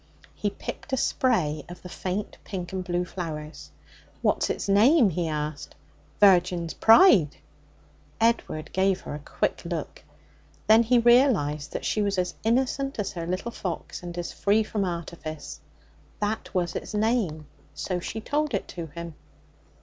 He picked a spray of the faint pink and blue flowers. 'What's its name?' he asked. 'Virgin's pride.' Edward gave her a quick look. Then he realized that she was as innocent as her little fox, and as free from artifice. That was its name, so she told it to him.